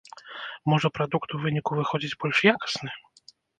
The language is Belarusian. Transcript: Можа і прадукт у выніку выходзіць больш якасны?